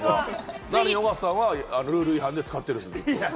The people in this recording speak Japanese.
なのに尾形さんはルール違反で使ってるんです。